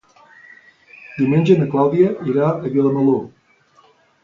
Diumenge na Clàudia irà a Vilamalur.